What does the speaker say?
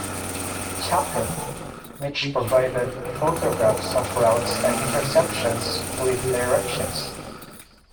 Chapin, which provided photographs of routes and intersections with directions.